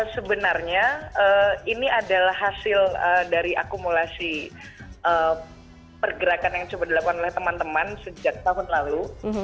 sebenarnya ini adalah hasil dari akumulasi pergerakan yang coba dilakukan oleh teman teman sejak tahun lalu